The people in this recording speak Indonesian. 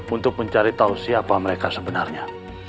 untuk mencari tahu siapa mereka sebenarnya